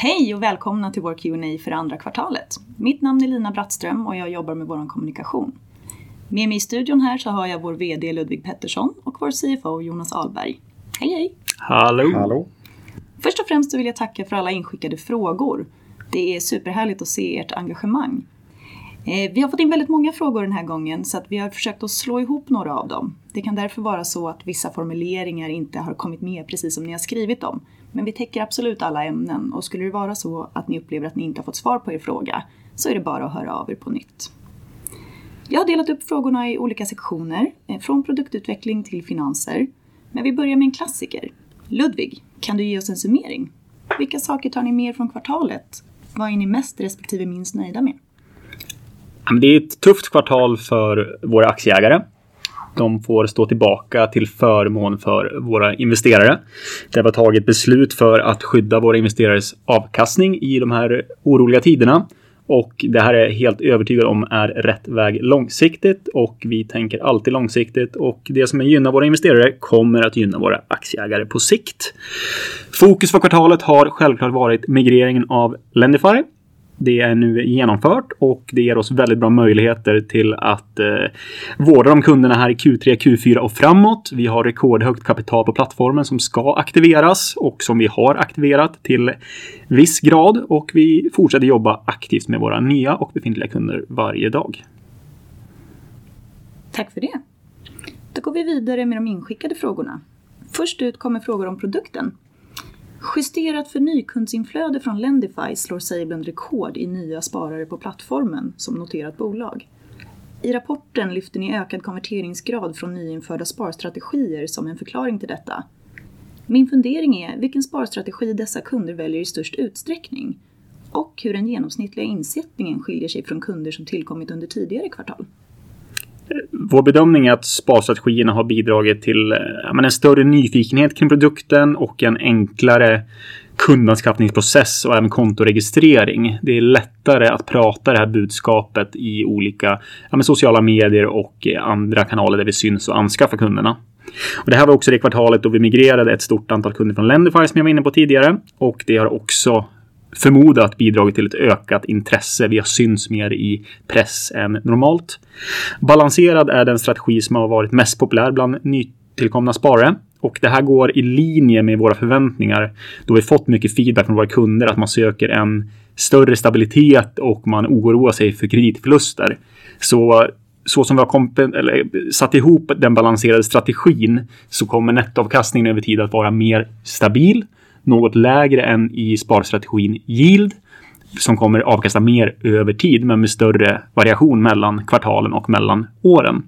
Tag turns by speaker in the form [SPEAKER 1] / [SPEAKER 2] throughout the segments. [SPEAKER 1] Hej och välkomna till vår Q&A för det andra kvartalet. Mitt namn är Lina Brattström och jag jobbar med vår kommunikation. Med mig i studion här har jag vår VD, Ludvig Pettersson och vår CFO, Jonas Ahlberg. Hej, hej!
[SPEAKER 2] Hallå.
[SPEAKER 3] Hallå.
[SPEAKER 1] Först och främst vill jag tacka för alla inskickade frågor. Det är superhärligt att se ert engagemang. Vi har fått in väldigt många frågor den här gången, så vi har försökt att slå ihop några av dem. Det kan därför vara så att vissa formuleringar inte har kommit med precis som ni har skrivit dem, men vi täcker absolut alla ämnen och skulle det vara så att ni upplever att ni inte har fått svar på er fråga, så är det bara att höra av er på nytt. Jag har delat upp frågorna i olika sektioner, från produktutveckling till finanser, men vi börjar med en klassiker. Ludvig, kan du ge oss en summering? Vilka saker tar ni med er från kvartalet? Vad är ni mest respektive minst nöjda med?
[SPEAKER 2] Ja, men det är ett tufft kvartal för våra aktieägare. De får stå tillbaka till förmån för våra investerare. Det har tagit beslut för att skydda våra investerares avkastning i de här oroliga tiderna och det här är jag helt övertygad om är rätt väg långsiktigt och vi tänker alltid långsiktigt och det som gynnar våra investerare kommer att gynna våra aktieägare på sikt. Fokus för kvartalet har självklart varit migreringen av Lendify. Det är nu genomfört och det ger oss väldigt bra möjligheter till att vårda de kunderna här i Q3, Q4 och framåt. Vi har rekordhögt kapital på plattformen som ska aktiveras och som vi har aktiverat till viss grad och vi fortsätter jobba aktivt med våra nya och befintliga kunder varje dag.
[SPEAKER 1] Tack för det! Då går vi vidare med de inskickade frågorna. Först ut kommer frågor om produkten. Justerat för nykundsinflöde från Lendify slår Sabelen rekord i nya sparare på plattformen som noterat bolag. I rapporten lyfter ni ökad konverteringsgrad från nyinförda sparstrategier som en förklaring till detta. Min fundering är vilken sparstrategi dessa kunder väljer i störst utsträckning och hur den genomsnittliga insättningen skiljer sig från kunder som tillkommit under tidigare kvartal?
[SPEAKER 2] Vår bedömning är att sparstrategierna har bidragit till en större nyfikenhet kring produkten och en enklare kundanskaffningsprocess och även kontoregistrering. Det är lättare att prata det här budskapet i olika sociala medier och andra kanaler där vi syns och anskaffar kunderna. Det här var också det kvartalet då vi migrerade ett stort antal kunder från Lendify, som jag var inne på tidigare, och det har också förmodats bidragit till ett ökat intresse. Vi har synts mer i press än normalt. Balanserad är den strategi som har varit mest populär bland nytillkomna sparare. Det här går i linje med våra förväntningar, då vi fått mycket feedback från våra kunder att man söker en större stabilitet och man oroar sig för kreditförluster. Som vi har komponerat, eller satt ihop den balanserade strategin, kommer nettoavkastningen över tid att vara mer stabil, något lägre än i sparstrategin yield, som kommer att avkasta mer över tid, men med större variation mellan kvartalen och mellan åren.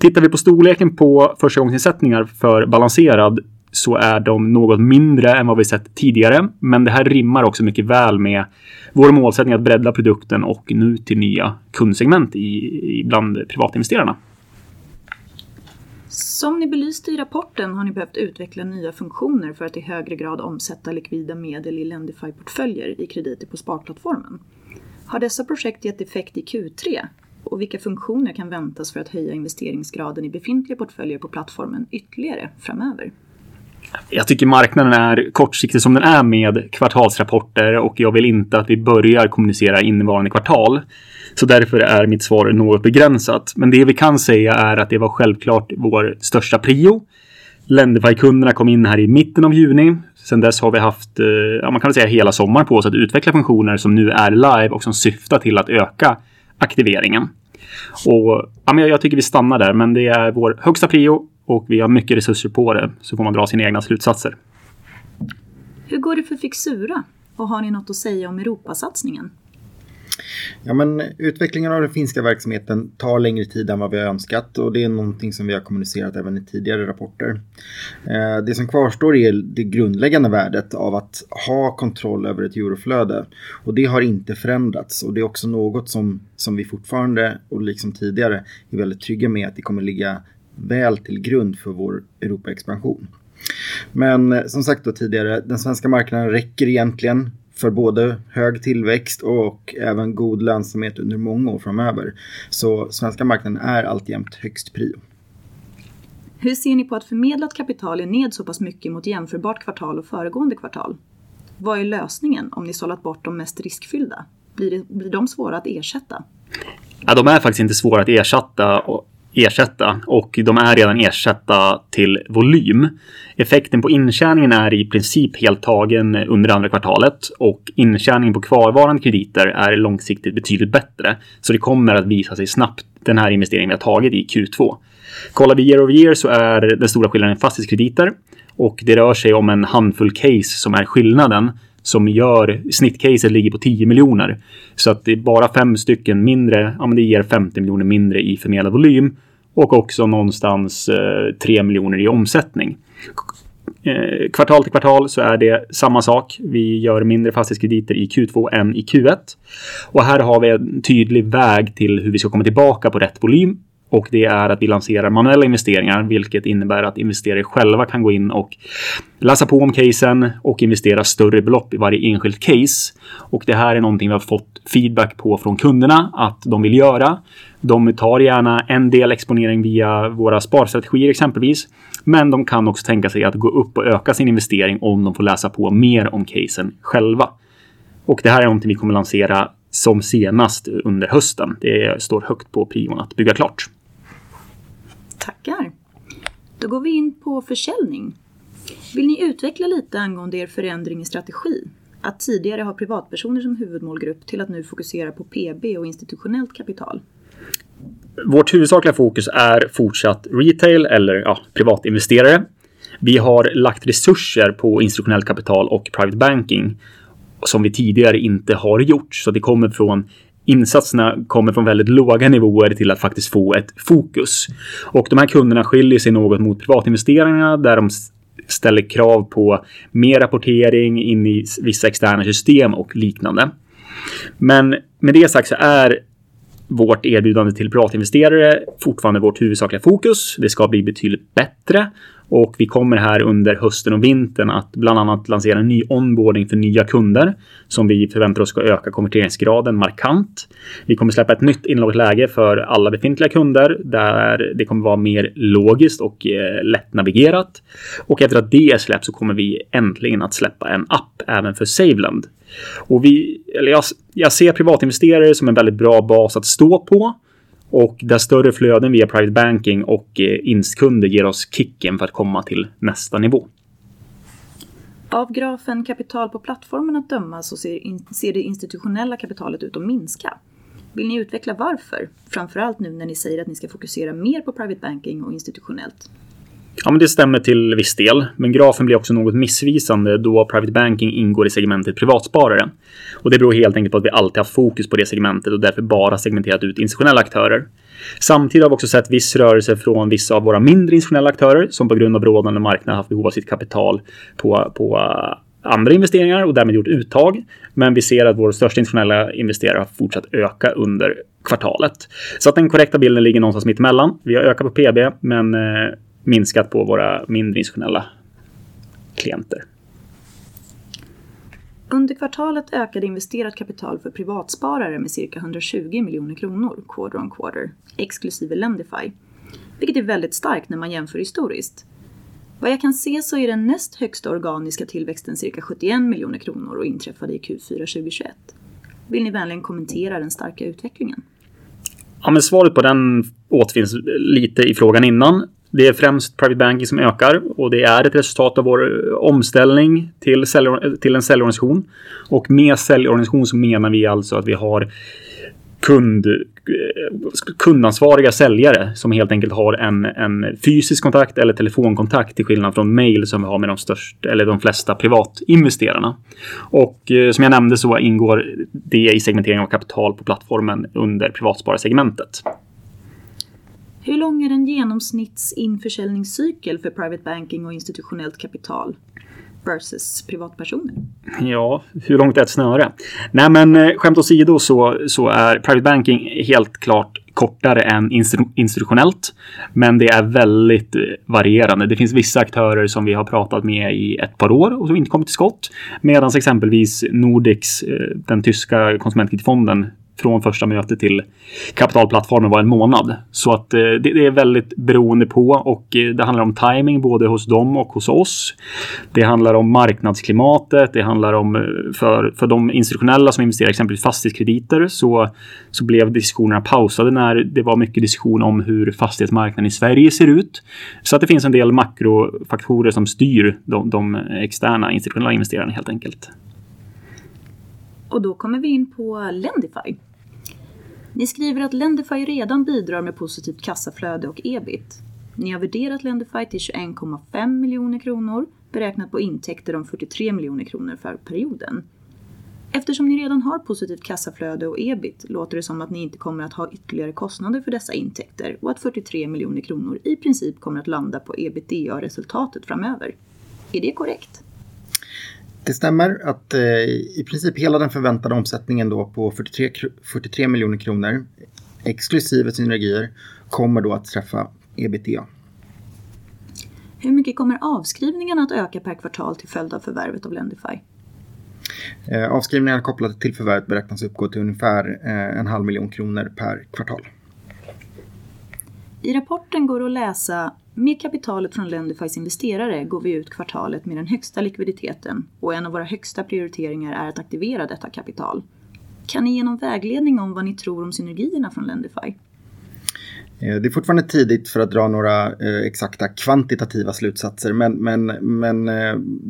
[SPEAKER 2] Tittar vi på storleken på förstgångsinsättningar för balanserad så är de något mindre än vad vi sett tidigare, men det här rimmar också mycket väl med vår målsättning att bredda produkten och nå nya kundsegment bland privatinvesterarna.
[SPEAKER 1] Som ni belyst i rapporten har ni behövt utveckla nya funktioner för att i högre grad omsätta likvida medel i Lendify-portföljer i krediter på sparplattformen. Har dessa projekt gett effekt i Q3? Och vilka funktioner kan väntas för att höja investeringsgraden i befintliga portföljer på plattformen ytterligare framöver?
[SPEAKER 2] Jag tycker marknaden är kortsiktig som den är med kvartalsrapporter och jag vill inte att vi börjar kommunicera innevarande kvartal. Därför är mitt svar något begränsat. Det vi kan säga är att det var självklart vår största prio. Lendify-kunderna kom in här i mitten av juni. Sedan dess har vi haft hela sommaren på oss att utveckla funktioner som nu är live och som syftar till att öka aktiveringen. Jag tycker vi stannar där, men det är vår högsta prio och vi har mycket resurser på det. Så får man dra sina egna slutsatser.
[SPEAKER 1] Hur går det för Fixura? Och har ni något att säga om Europasatsningen?
[SPEAKER 3] Ja, men utvecklingen av den finska verksamheten tar längre tid än vad vi önskat, och det är någonting som vi har kommunicerat även i tidigare rapporter. Det som kvarstår är det grundläggande värdet av att ha kontroll över ett euroflöde, och det har inte förändrats. Det är också något som vi fortfarande, liksom tidigare, är väldigt trygga med att det kommer att ligga väl till grund för vår Europaexpansion. Men som sagt, den svenska marknaden räcker egentligen för både hög tillväxt och även god lönsamhet under många år framöver. Svenska marknaden är alltjämt högst prio.
[SPEAKER 1] Hur ser ni på att förmedlat kapital är ned så pass mycket mot jämförbart kvartal och föregående kvartal? Vad är lösningen om ni sålt bort de mest riskfyllda? Blir de svåra att ersätta?
[SPEAKER 2] De är faktiskt inte svåra att ersätta, och de är redan ersatta till volym. Effekten på intjäningen är i princip helt tagen under det andra kvartalet och intjäningen på kvarvarande krediter är långsiktigt betydligt bättre, så det kommer att visa sig snabbt, den här investeringen vi har tagit i Q2. Kollar vi year over year så är den stora skillnaden fastighetskrediter och det rör sig om en handfull case som är skillnaden, som gör... Snittcaset ligger på SEK 10 miljoner. Så att det är bara fem stycken mindre, men det ger SEK 50 miljoner mindre i förmedlad volym och också någonstans SEK 3 miljoner i omsättning. Kvartal till kvartal så är det samma sak. Vi gör mindre fastighetskrediter i Q2 än i Q1. Här har vi en tydlig väg till hur vi ska komma tillbaka på rätt volym. Vi lanserar manuella investeringar, vilket innebär att investerare själva kan gå in och läsa på om casen och investera större belopp i varje enskilt case. Det här är någonting vi har fått feedback på från kunderna att de vill göra. De tar gärna en del exponering via våra sparstrategier, exempelvis, men de kan också tänka sig att gå upp och öka sin investering om de får läsa på mer om casen själva. Det här är någonting vi kommer att lansera som senast under hösten. Det står högt på prion att bygga klart.
[SPEAKER 1] Tackar! Då går vi in på försäljning. Vill ni utveckla lite angående er förändring i strategi? Att tidigare ha privatpersoner som huvudmålgrupp till att nu fokusera på PB och institutionellt kapital.
[SPEAKER 2] Vårt huvudsakliga fokus är fortsatt retail, privatinvesterare. Vi har lagt resurser på institutionellt kapital och private banking, som vi tidigare inte har gjort. Insatserna kommer från väldigt låga nivåer till att faktiskt få ett fokus. De här kunderna skiljer sig något mot privatinvesteringarna, där de ställer krav på mer rapportering in i vissa externa system och liknande. Med det sagt är vårt erbjudande till privatinvesterare fortfarande vårt huvudsakliga fokus. Det ska bli betydligt bättre och vi kommer här under hösten och vintern att bland annat lansera en ny onboarding för nya kunder, som vi förväntar oss ska öka konverteringsgraden markant. Vi kommer att släppa ett nytt inloggningsläge för alla befintliga kunder, där det kommer att vara mer logiskt och lättnavigerat. Efter att det är släppt kommer vi äntligen att släppa en app även för Saveland. Vi, eller jag, ser privatinvesterare som en väldigt bra bas att stå på, och där större flöden via Private Banking och instkunder ger oss kicken för att komma till nästa nivå.
[SPEAKER 1] Av grafen kapital på plattformen att döma ser det institutionella kapitalet ut att minska. Vill ni utveckla varför? Framför allt nu när ni säger att ni ska fokusera mer på private banking och institutionellt.
[SPEAKER 2] Ja, men det stämmer till viss del, men grafen blir också något missvisande då private banking ingår i segmentet privatsparare. Det beror helt enkelt på att vi alltid haft fokus på det segmentet och därför bara segmenterat ut institutionella aktörer. Samtidigt har vi också sett viss rörelse från vissa av våra mindre institutionella aktörer, som på grund av rådande marknad haft behov av sitt kapital på andra investeringar och därmed gjort uttag. Vi ser att vår största institutionella investerare har fortsatt öka under kvartalet. Den korrekta bilden ligger någonstans mitt emellan. Vi har ökat på PB, men minskat på våra mindre institutionella klienter.
[SPEAKER 1] Under kvartalet ökade investerat kapital för privatsparare med cirka 120 miljoner kronor, quarter on quarter, exklusive Lendify, vilket är väldigt starkt när man jämför historiskt. Vad jag kan se så är den näst högsta organiska tillväxten cirka 71 miljoner kronor och inträffade i Q4 2021. Vill ni vänligen kommentera den starka utvecklingen?
[SPEAKER 2] Ja, men svaret på den återfinns lite i frågan innan. Det är främst private banking som ökar och det är ett resultat av vår omställning till en säljorganisation. Med säljorganisation menar vi alltså att vi har kundansvariga säljare som helt enkelt har en fysisk kontakt eller telefonkontakt, till skillnad från mail, som vi har med de flesta privatinvesterarna. Som jag nämnde ingår det i segmenteringen av kapital på plattformen under privatspararsegmentet.
[SPEAKER 1] Hur lång är en genomsnittlig införsäljningscykel för private banking och institutionellt kapital versus privatpersoner?
[SPEAKER 2] Ja, hur långt är ett snöre? Nej, men skämt åsido, så är private banking helt klart kortare än institutionellt, men det är väldigt varierande. Det finns vissa aktörer som vi har pratat med i ett par år och som inte kommit till skott, medan exempelvis Nordics, den tyska konsumentkreditfonden, från första mötet till kapitalplattformen var en månad. Det är väldigt beroende på, och det handlar om tajming, både hos dem och hos oss. Det handlar om marknadsklimatet, det handlar om att för de institutionella som investerar, exempelvis fastighetskrediter, så blev diskussionerna pausade när det var mycket diskussion om hur fastighetsmarknaden i Sverige ser ut. Så att det finns en del makrofaktorer som styr de externa institutionella investerarna helt enkelt.
[SPEAKER 1] Och då kommer vi in på Lendify. Ni skriver att Lendify redan bidrar med positivt kassaflöde och EBIT. Ni har värderat Lendify till 21,5 miljoner kronor, beräknat på intäkter om 43 miljoner kronor för perioden. Eftersom ni redan har positivt kassaflöde och EBIT, låter det som att ni inte kommer att ha ytterligare kostnader för dessa intäkter och att 43 miljoner kronor i princip kommer att landa på EBITDA-resultatet framöver. Är det korrekt?
[SPEAKER 3] Det stämmer att i princip hela den förväntade omsättningen på 43 miljoner kronor, exklusive synergier, kommer att träffa EBITDA.
[SPEAKER 1] Hur mycket kommer avskrivningarna att öka per kvartal till följd av förvärvet av Lendify?
[SPEAKER 3] Avskrivningarna kopplade till förvärvet beräknas uppgå till ungefär SEK 500 000 per kvartal.
[SPEAKER 1] I rapporten går det att läsa: "Med kapitalet från Lendifys investerare går vi ut kvartalet med den högsta likviditeten och en av våra högsta prioriteringar är att aktivera detta kapital." Kan ni ge någon vägledning om vad ni tror om synergierna från Lendify?
[SPEAKER 3] Det är fortfarande tidigt för att dra några exakta kvantitativa slutsatser, men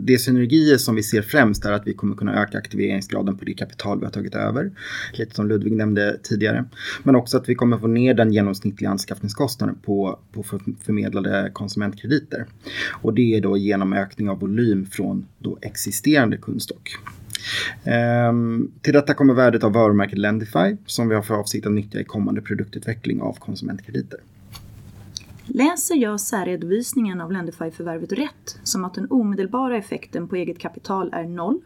[SPEAKER 3] de synergier som vi ser främst är att vi kommer att kunna öka aktiveringsgraden på det kapital vi har tagit över, lite som Ludwig nämnde tidigare, men också att vi kommer att få ner den genomsnittliga anskaffningskostnaden på förmedlade konsumentkrediter. Det är då genom ökning av volym från då existerande kundstock. Till detta kommer värdet av varumärket Lendify, som vi har för avsikt att nyttja i kommande produktutveckling av konsumentkrediter.
[SPEAKER 1] Läser jag särredvisningen av Lendify-förvärvet rätt, som att den omedelbara effekten på eget kapital är noll,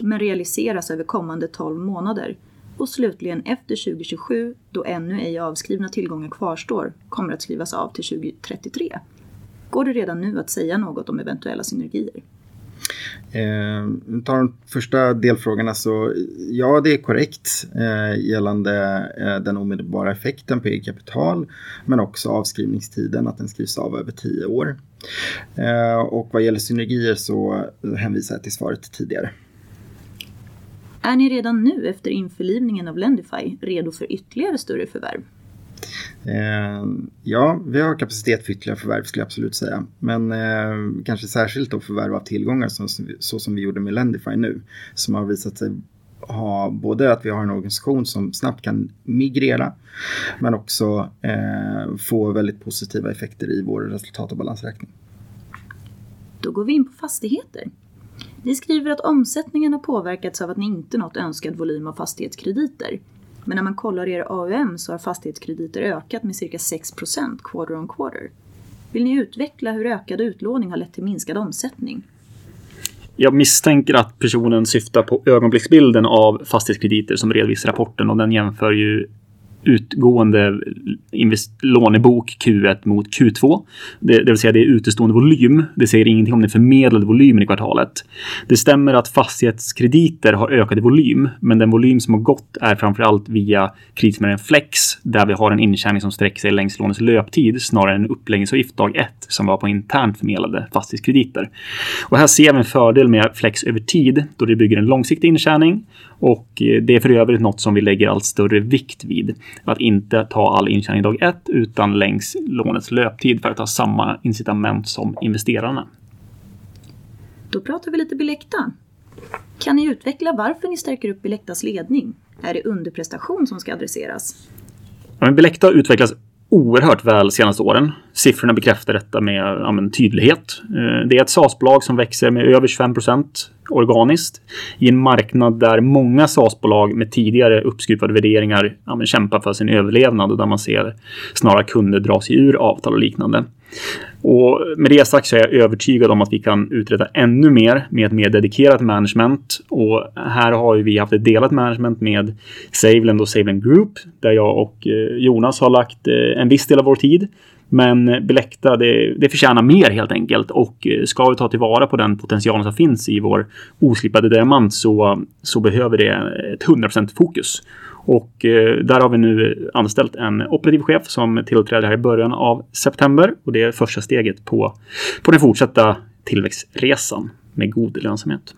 [SPEAKER 1] men realiseras över kommande tolv månader och slutligen efter 2027, då ännu ej avskrivna tillgångar kvarstår, kommer att skrivas av till 2033? Går det redan nu att säga något om eventuella synergier?
[SPEAKER 3] Vi tar de första delfrågorna så ja, det är korrekt, gällande den omedelbara effekten på eget kapital, men också avskrivningstiden, att den skrivs av över tio år. Vad gäller synergier så hänvisar jag till svaret tidigare.
[SPEAKER 1] Är ni redan nu efter införlivningen av Lendify redo för ytterligare större förvärv?
[SPEAKER 3] Vi har kapacitet för ytterligare förvärv, skulle jag absolut säga. Kanske särskilt förvärv av tillgångar, så som vi gjorde med Lendify nu, som har visat sig ha både att vi har en organisation som snabbt kan migrera, men också få väldigt positiva effekter i vår resultat- och balansräkning.
[SPEAKER 1] Då går vi in på fastigheter. Ni skriver att omsättningen har påverkats av att ni inte nått önskad volym av fastighetskrediter. Men när man kollar er AUM så har fastighetskrediter ökat med cirka 6% quarter on quarter. Vill ni utveckla hur ökad utlåning har lett till minskad omsättning?
[SPEAKER 2] Jag misstänker att personen syftar på ögonblicksbilden av fastighetskrediter som redovisar rapporten, och den jämför utgående lånebok Q1 mot Q2. Det vill säga, det är utestående volym. Det säger ingenting om den förmedlade volymen i kvartalet. Det stämmer att fastighetskrediter har ökat i volym, men den volym som har gått är framför allt via kreditmäklaren Flex, där vi har en intjäning som sträcker sig längs lånets löptid, snarare än uppläggningsavgift dag ett, som var på internt förmedlade fastighetskrediter. Här ser vi en fördel med Flex över tid, då det bygger en långsiktig intjäning, och det är för övrigt något som vi lägger allt större vikt vid. Att inte ta all intjäning dag ett, utan längs lånets löptid, för att ta samma incitament som investerarna.
[SPEAKER 1] Då pratar vi lite Bilecta. Kan ni utveckla varför ni stärker upp Bilectas ledning? Är det underprestation som ska adresseras?
[SPEAKER 2] Bilecta har utvecklats oerhört väl de senaste åren. Siffrorna bekräftar detta med tydlighet. Det är ett SaaS-bolag som växer med över 5% organiskt, i en marknad där många SaaS-bolag med tidigare uppskruvade värderingar kämpar för sin överlevnad och där man snarare ser kunder dra sig ur avtal och liknande. Med det sagt är jag övertygad om att vi kan uträtta ännu mer med ett mer dedikerat management. Här har vi haft ett delat management med Savelend och Savelend Group, där jag och Jonas har lagt en viss del av vår tid. Bilecta förtjänar mer helt enkelt. Ska vi ta tillvara på den potentialen som finns i vår oslipade diamant, så behöver det ett 100% fokus. Och där har vi nu anställt en operativ chef som tillträder här i början av september, och det är första steget på den fortsatta tillväxtresan med god lönsamhet.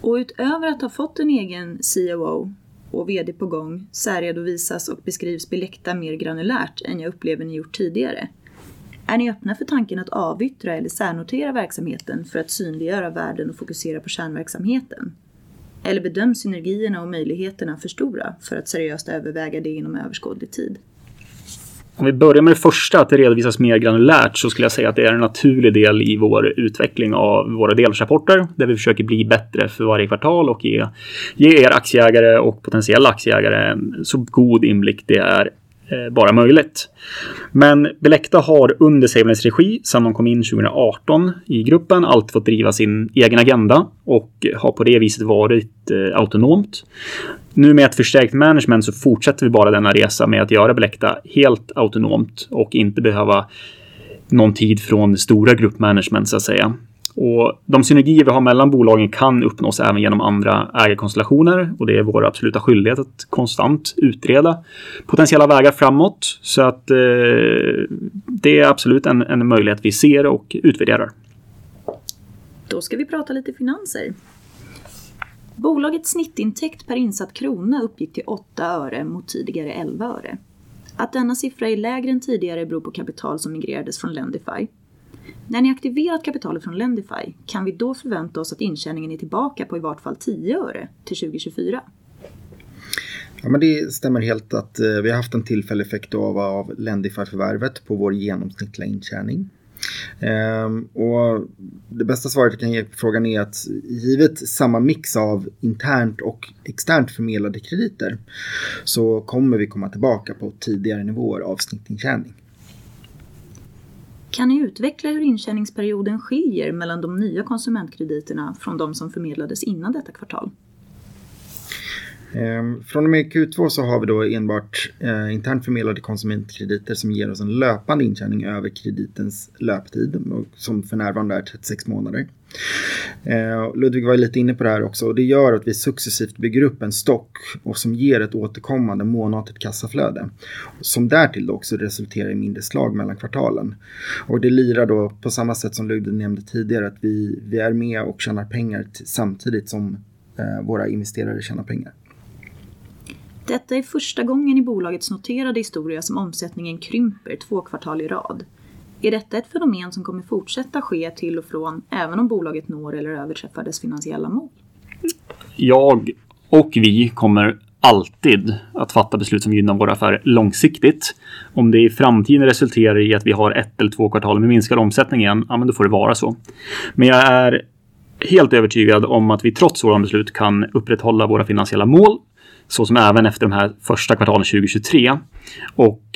[SPEAKER 1] Och utöver att ha fått en egen COO och VD på gång, särredovisas och beskrivs Bilecta mer granulärt än jag upplever ni gjort tidigare. Är ni öppna för tanken att avyttra eller särnotera verksamheten för att synliggöra värden och fokusera på kärnverksamheten? Eller bedöms synergierna och möjligheterna för stora för att seriöst överväga det inom överskådlig tid?
[SPEAKER 2] Om vi börjar med det första, att redovisas mer granulärt, så skulle jag säga att det är en naturlig del i vår utveckling av våra delårsrapporter, där vi försöker bli bättre för varje kvartal och ge er aktieägare och potentiella aktieägare en så god inblick det är bara möjligt. Men Bilecta har under Savelends regi, sedan de kom in 2018 i gruppen, alltid fått driva sin egen agenda och har på det viset varit autonomt. Nu med ett förstärkt management så fortsätter vi bara denna resa med att göra Bilecta helt autonomt och inte behöva någon tid från stora gruppmanagement, så att säga. Och de synergier vi har mellan bolagen kan uppnås även igenom andra ägarkonstellationer och det är vår absoluta skyldighet att konstant utreda potentiella vägar framåt. Det är absolut en möjlighet vi ser och utvärderar.
[SPEAKER 1] Då ska vi prata lite finanser. Bolagets snittintäkt per insatt krona uppgick till SEK 0,08 mot tidigare SEK 0,11. Att denna siffra är lägre än tidigare beror på kapital som migrerades från Lendify. När ni aktiverat kapitalet från Lendify, kan vi då förvänta oss att intjäningen är tillbaka på i vart fall SEK 0,10 till 2024?
[SPEAKER 3] Det stämmer helt att vi har haft en tillfällig effekt av Lendify-förvärvet på vår genomsnittliga intjäning. Det bästa svaret vi kan ge på frågan är att givet samma mix av internt och externt förmedlade krediter, så kommer vi komma tillbaka på tidigare nivåer av snittintjäning.
[SPEAKER 1] Kan ni utveckla hur intjäningsperioden skiljer mellan de nya konsumentkrediterna från de som förmedlades innan detta kvartal?
[SPEAKER 3] Från och med Q2 har vi enbart internt förmedlade konsumentkrediter som ger oss en löpande intjäning över kreditens löptid, som för närvarande är 36 månader. Ludvig var lite inne på det här också, och det gör att vi successivt bygger upp en stock som ger ett återkommande månatligt kassaflöde, som därtill också resulterar i mindre slag mellan kvartalen. Det lirar på samma sätt som Ludvig nämnde tidigare, att vi är med och tjänar pengar samtidigt som våra investerare tjänar pengar.
[SPEAKER 1] Detta är första gången i bolagets noterade historia som omsättningen krymper två kvartal i rad. Är detta ett fenomen som kommer fortsätta ske till och från, även om bolaget når eller överträffar dess finansiella mål?
[SPEAKER 2] Jag och vi kommer alltid att fatta beslut som gynnar våra affärer långsiktigt. Om det i framtiden resulterar i att vi har ett eller två kvartal med minskad omsättning igen, ja, men då får det vara så. Jag är helt övertygad om att vi trots våra beslut kan upprätthålla våra finansiella mål, så som även efter de här första kvartalen 2023.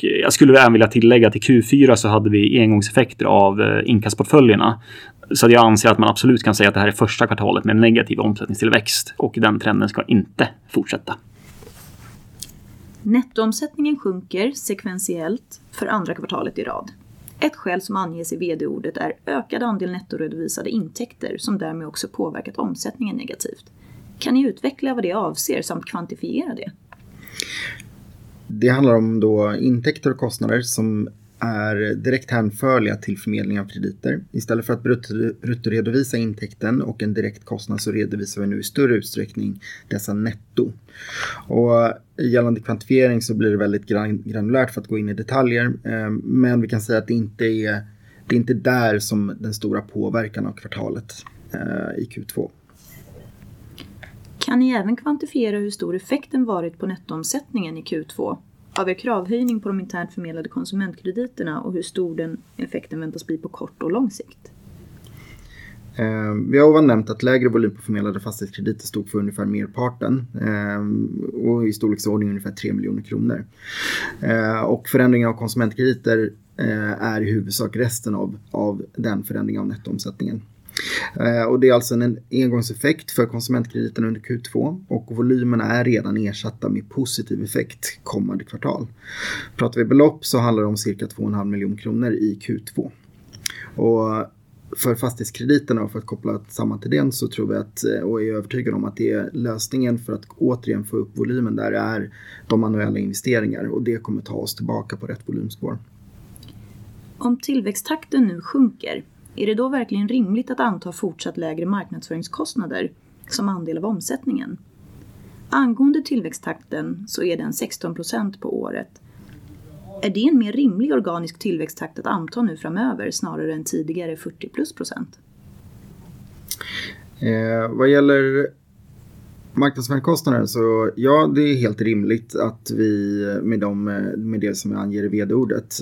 [SPEAKER 2] Jag skulle även vilja tillägga att i Q4 så hade vi engångseffekter av inkassoportföljerna. Jag anser att man absolut kan säga att det här är första kvartalet med negativ omsättningstillväxt och den trenden ska inte fortsätta.
[SPEAKER 1] Nettoomsättningen sjunker sekventiellt för andra kvartalet i rad. Ett skäl som anges i vd-ordet är ökad andel nettorredovisade intäkter, som därmed också påverkat omsättningen negativt. Kan ni utveckla vad det avser samt kvantifiera det?
[SPEAKER 3] Det handlar om intäkter och kostnader som är direkt hänförliga till förmedling av krediter. Istället för att bruttoredovisa intäkten och en direktkostnad så redovisar vi nu i större utsträckning dessa netto. Gällande kvantifiering så blir det väldigt granulärt för att gå in i detaljer, men vi kan säga att det inte är där som den stora påverkan av kvartalet, i Q2.
[SPEAKER 1] Kan ni även kvantifiera hur stor effekten varit på nettoomsättningen i Q2 av er kravhöjning på de internt förmedlade konsumentkrediterna, och hur stor den effekten väntas bli på kort och lång sikt?
[SPEAKER 3] Vi har nämnt att lägre volym på förmedlade fastighetskrediter stod för ungefär merparten, och i storleksordning ungefär 3 miljoner kronor. Förändringen av konsumentkrediter är i huvudsak resten av den förändringen av nettoomsättningen. Det är alltså en engångseffekt för konsumentkrediten under Q2 och volymerna är redan ersatta med positiv effekt kommande kvartal. Pratar vi belopp så handlar det om cirka 2,5 miljoner kronor i Q2. För fastighetskrediterna, och för att koppla samman till den, så tror vi, och är övertygade om, att det är lösningen för att återigen få upp volymen. Det är de manuella investeringar och det kommer att ta oss tillbaka på rätt volymspår.
[SPEAKER 1] Om tillväxttakten nu sjunker, är det då verkligen rimligt att anta fortsatt lägre marknadsföringskostnader som andel av omsättningen? Angående tillväxttakten så är den 16% på året. Är det en mer rimlig organisk tillväxttakt att anta nu framöver snarare än tidigare 40+%?
[SPEAKER 3] Vad gäller marknadsföringskostnader, så ja, det är helt rimligt att vi med det som jag anger i vd-ordet.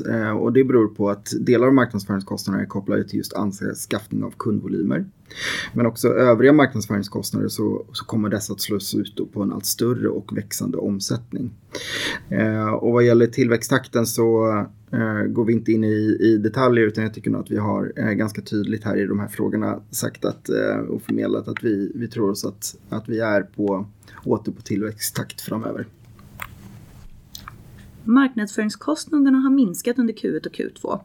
[SPEAKER 3] Det beror på att delar av marknadsföringskostnaderna är kopplade till just anskaffning av kundvolymer, men också övriga marknadsföringskostnader kommer dessa att slås ut på en allt större och växande omsättning. Vad gäller tillväxttakten går vi inte in i detalj, utan jag tycker nog att vi har ganska tydligt här i de här frågorna sagt och förmedlat att vi tror oss att vi är på, åter på tillväxttakt framöver.
[SPEAKER 1] Marknadsföringskostnaderna har minskat under Q1 och Q2.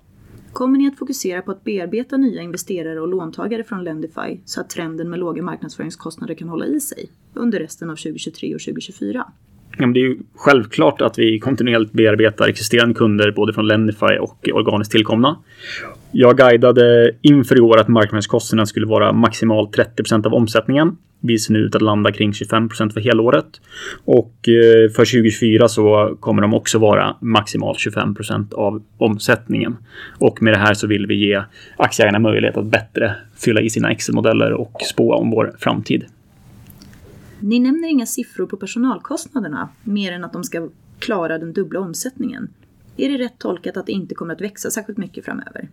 [SPEAKER 1] Kommer ni att fokusera på att bearbeta nya investerare och låntagare från Lendify så att trenden med låga marknadsföringskostnader kan hålla i sig under resten av 2023 och 2024?
[SPEAKER 2] Ja, men det är ju självklart att vi kontinuerligt bearbetar existerande kunder, både från Lendify och organiskt tillkomna. Jag guidade inför i år att marknadsföringskostnaderna skulle vara maximalt 30% av omsättningen. Vi ser nu ut att landa kring 25% för helåret och för 2024 så kommer de också vara maximalt 25% av omsättningen. Med det här så vill vi ge aktieägarna möjlighet att bättre fylla i sina Excel-modeller och spå om vår framtid.
[SPEAKER 1] Ni nämner inga siffror på personalkostnaderna mer än att de ska klara den dubbla omsättningen. Är det rätt tolkat att det inte kommer att växa särskilt mycket framöver?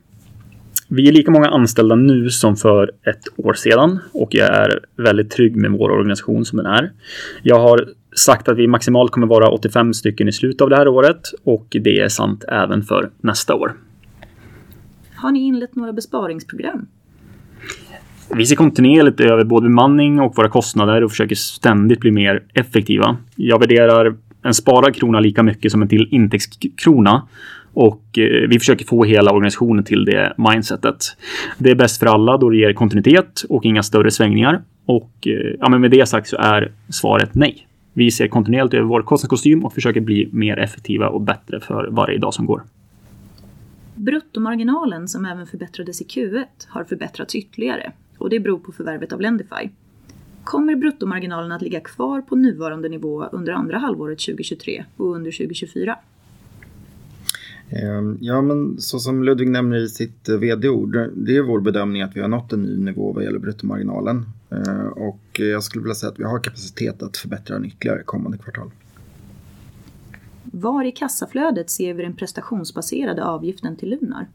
[SPEAKER 2] Vi är lika många anställda nu som för ett år sedan och jag är väldigt trygg med vår organisation som den är. Jag har sagt att vi maximalt kommer vara 85 stycken i slutet av det här året och det är sant även för nästa år.
[SPEAKER 1] Har ni inlett några besparingsprogram?
[SPEAKER 2] Vi ser kontinuerligt över både bemanning och våra kostnader och försöker ständigt bli mer effektiva. Jag värderar en sparad krona lika mycket som en till intäktskrona och vi försöker få hela organisationen till det mindsetet. Det är bäst för alla då det ger kontinuitet och inga större svängningar. Med det sagt så är svaret nej. Vi ser kontinuerligt över vår kostnadskostym och försöker bli mer effektiva och bättre för varje dag som går.
[SPEAKER 1] Bruttomarginalen, som även förbättrades i Q1, har förbättrats ytterligare och det beror på förvärvet av Lendify. Kommer bruttomarginalen att ligga kvar på nuvarande nivå under andra halvåret 2023 och under 2024?
[SPEAKER 3] Som Ludvig nämner i sitt vd-ord, det är vår bedömning att vi har nått en ny nivå vad gäller bruttomarginalen. Jag skulle vilja säga att vi har kapacitet att förbättra den ytterligare kommande kvartal.
[SPEAKER 1] Var i kassaflödet ser vi den prestationsbaserade avgiften till Lunar?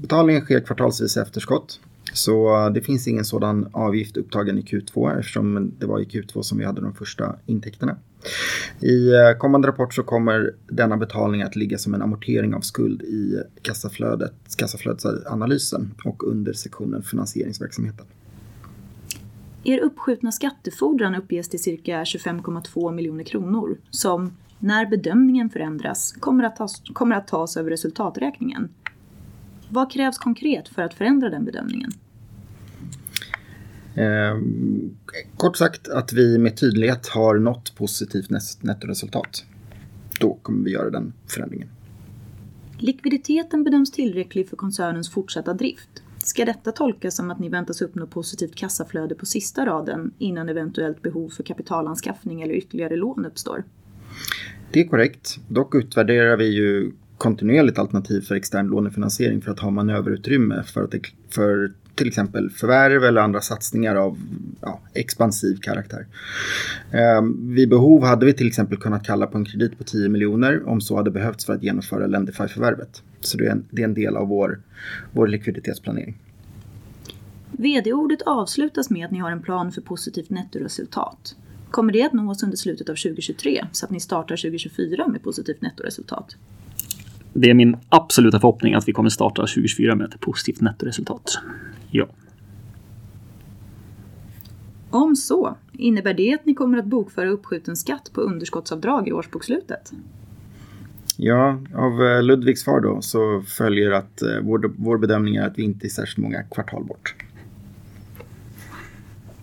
[SPEAKER 3] Betalningen sker kvartalsvis i efterskott, så det finns ingen sådan avgift upptagen i Q2, eftersom det var i Q2 som vi hade de första intäkterna. I kommande rapport kommer denna betalning att ligga som en amortering av skuld i kassaflödet, kassaflödesanalysen och under sektionen Finansieringsverksamheten.
[SPEAKER 1] Er uppskjutna skattefordran uppges till cirka 25,2 miljoner kronor, som när bedömningen förändras, kommer att tas över resultaträkningen. Vad krävs konkret för att förändra den bedömningen?
[SPEAKER 3] Kort sagt har vi med tydlighet nått ett positivt nettoresultat. Då kommer vi göra den förändringen.
[SPEAKER 1] Likviditeten bedöms tillräcklig för koncernens fortsatta drift. Ska detta tolkas som att ni väntas uppnå positivt kassaflöde på sista raden innan eventuellt behov för kapitalanskaffning eller ytterligare lån uppstår?
[SPEAKER 3] Det är korrekt. Dock utvärderar vi kontinuerligt alternativ för extern lånefinansiering för att ha manöverutrymme för att, till exempel förvärva eller andra satsningar av expansiv karaktär. Vid behov hade vi till exempel kunnat kalla på en kredit på 10 miljoner om så hade behövts för att genomföra Lendify-förvärvet. Så det är en del av vår likviditetsplanering.
[SPEAKER 1] VD-ordet avslutas med att ni har en plan för positivt nettoresultat. Kommer det att nås under slutet av 2023 så att ni startar 2024 med positivt nettoresultat?
[SPEAKER 2] Det är min absoluta förhoppning att vi kommer starta 2024 med ett positivt nettoresultat.
[SPEAKER 1] Om så, innebär det att ni kommer att bokföra uppskjuten skatt på underskottsavdrag i årsbokslutet?
[SPEAKER 3] Ja, av Ludvigs svar då följer att vår bedömning är att vi inte är särskilt många kvartal bort.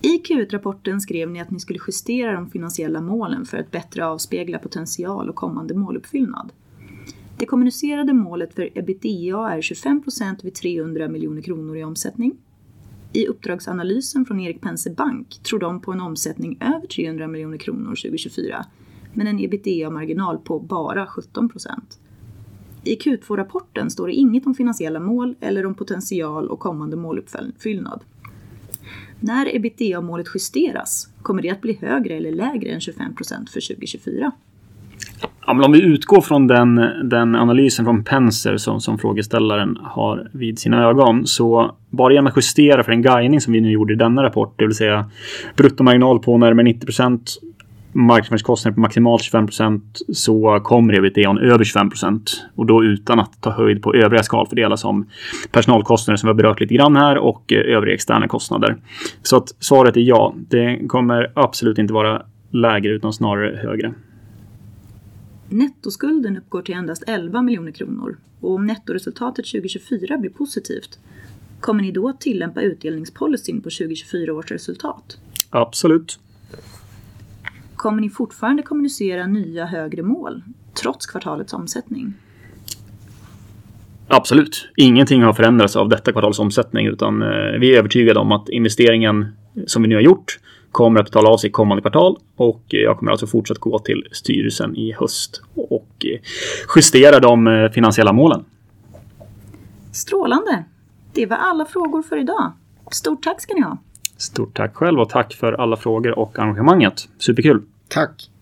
[SPEAKER 1] I Q1-rapporten skrev ni att ni skulle justera de finansiella målen för att bättre avspegla potential och kommande måluppfyllnad. Det kommunicerade målet för EBITDA är 25% vid 300 miljoner kronor i omsättning. I uppdragsanalysen från Erik Penser Bank tror de på en omsättning över 300 miljoner kronor 2024, men en EBITDA-marginal på bara 17%. I Q2-rapporten står det inget om finansiella mål eller om potential och kommande måluppfyllnad. När EBITDA-målet justeras, kommer det att bli högre eller lägre än 25% för 2024?
[SPEAKER 2] Om vi utgår från den analysen från Penser, som frågeställaren har vid sina ögon, så bara genom att justera för den guidning som vi nu gjorde i denna rapport, det vill säga bruttomarginal på närmare 90%, marknadskostnad på maximalt 25%, så kommer EBITDA:n över 25% och då utan att ta höjd på övriga skal fördelas om personalkostnader, som vi har berört lite grann här, och övriga externa kostnader. Svaret är ja, det kommer absolut inte vara lägre, utan snarare högre.
[SPEAKER 1] Nettoskulden uppgår till endast 11 miljoner kronor och om nettoresultatet 2024 blir positivt, kommer ni då att tillämpa utdelningspolicyn på 2024 års resultat?
[SPEAKER 2] Absolut!
[SPEAKER 1] Kommer ni fortfarande kommunicera nya högre mål trots kvartalets omsättning?
[SPEAKER 2] Absolut. Ingenting har förändrats av detta kvartals omsättning, utan vi är övertygade om att investeringen som vi nu har gjort kommer att betala av sig kommande kvartal, och jag kommer alltså fortsatt gå till styrelsen i höst och justera de finansiella målen.
[SPEAKER 1] Strålande! Det var alla frågor för i dag. Stort tack ska ni ha.
[SPEAKER 2] Stort tack själv och tack för alla frågor och arrangemanget. Superkul.
[SPEAKER 3] Tack!